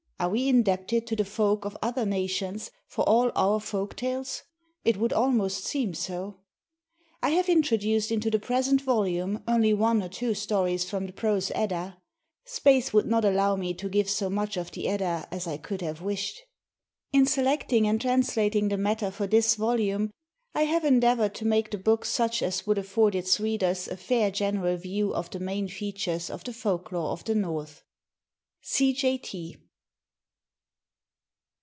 Are we indebted to the folk of other nations for all our folk tales? It would almost seem so. I have introduced into the present volume only one or two stories from the Prose Edda. Space would not allow me to give so much of the Edda as I could have wished. In selecting and translating the matter for this volume, I have endeavoured to make the book such as would afford its readers a fair general view of the main features of the Folklore of the North. C.J.